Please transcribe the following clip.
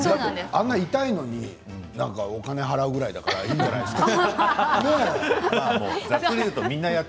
あんなに痛いものにお金を払うぐらいだからいいんじゃないですか。